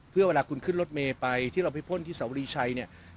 เพื่อเวลาคุณขึ้นรถเมย์ไปที่เราไปพ่นที่สวรีชัยเนี่ย